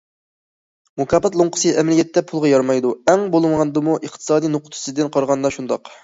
مۇكاپات لوڭقىسى ئەمەلىيەتتە پۇلغا يارىمايدۇ ئەڭ بولمىغاندىمۇ ئىقتىساد نۇقتىسىدىن قارىغاندا شۇنداق.